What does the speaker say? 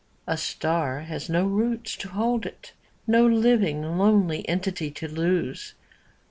A star has do roots to hold it, No living lonely entity to lose.